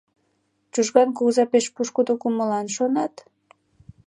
Чужган кугыза пеш пушкыдо кумылан, шонат.